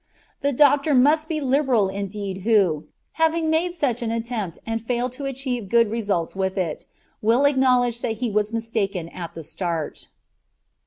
The doctor must be liberal indeed who, having made such an attempt and failed to achieve good results with it, will acknowledge that he was mistaken at the start.